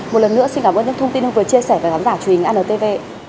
một lần nữa xin cảm ơn những thông tin ông vừa chia sẻ với khán giả truyền hình antv